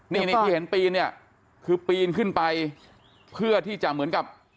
นี่ที่เห็นปีนเนี่ยคือปีนขึ้นไปเพื่อที่จะเหมือนกับ